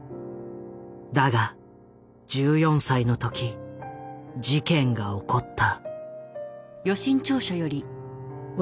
だが１４歳の時事件が起こった。